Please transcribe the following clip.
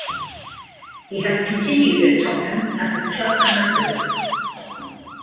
He has continued at Tottenham as a club ambassador.